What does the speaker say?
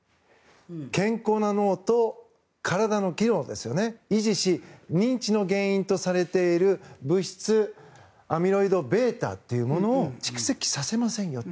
健康な脳と体の機能を維持し認知症の原因とされている物質アミロイドβというものを蓄積させませんよと。